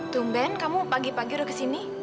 tumben kamu pagi pagi udah kesini